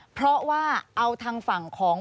เพราะว่าเอาทางฝั่งของ